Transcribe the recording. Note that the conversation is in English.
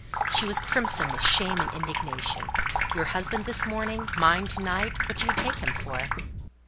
She was crimson with shame and indignation. "Your husband this morning! Mine to night! What do you take him for?"